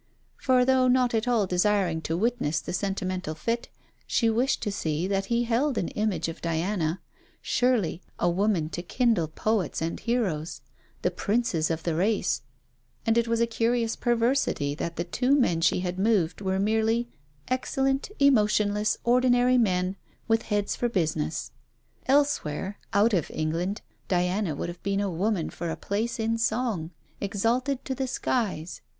For though not at all desiring to witness the sentimental fit, she wished to see that he held an image of Diana: surely a woman to kindle poets and heroes, the princes of the race; and it was a curious perversity that the two men she had moved were merely excellent, emotionless, ordinary men, with heads for business. Elsewhere, out of England, Diana would have been a woman for a place in song, exalted to the skies.